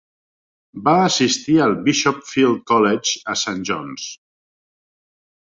Va assistir al Bishop Feild College a Saint John's.